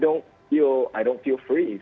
dan aku tidak merasa bebas